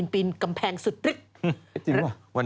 ปีนกำแพงสดอะจี๊ว